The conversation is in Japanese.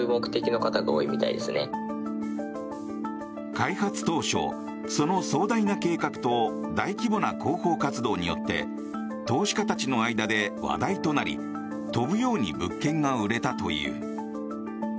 開発当初、その壮大な計画と大規模な広報活動によって投資家たちの間で話題となり飛ぶように物件が売れたという。